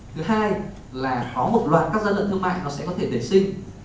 thứ hai là có một loạt các giai đoạn thương mại nó sẽ có thể tẩy sinh